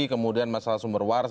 kemudian masalah sumber waras